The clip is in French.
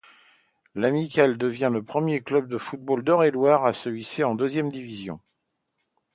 L'Amicale devient le premier club de football d'Eure-et-Loir à se hisser en deuxième division.